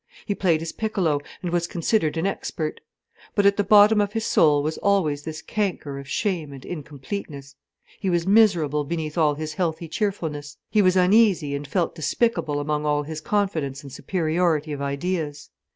He played his piccolo, and was considered an expert. But at the bottom of his soul was always this canker of shame and incompleteness: he was miserable beneath all his healthy cheerfulness, he was uneasy and felt despicable among all his confidence and superiority of ideas.